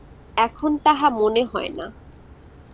এখন তাহা মনে হয় না।